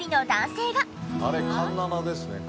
あれ環七ですね。